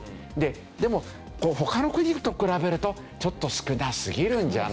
でも他の国と比べるとちょっと少なすぎるんじゃないの？